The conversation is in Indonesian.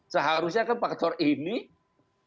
seharusnya kan faktor ini sudah bisa dikira